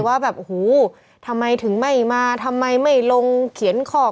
ว่าแบบโอ้โหทำไมถึงไม่มาทำไมไม่ลงเขียนขอบ